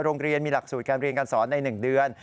โรงเรียนมีหลักสูตรการเรียนการสอนใน๑เดือน